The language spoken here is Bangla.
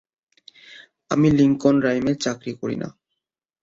আমি লিংকন রাইমের চাকরি করি না।